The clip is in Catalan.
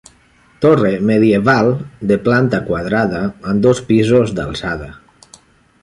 Torre medieval de planta quadrada, amb dos pisos d'alçada.